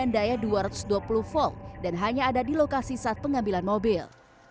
dengan daya dua ratus dua puluh volt dan hanya ada di lokasi saat pengambilan mobil